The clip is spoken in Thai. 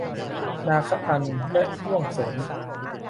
นาคพันธุ์และด้วงโสน